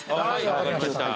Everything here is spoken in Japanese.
分かりました。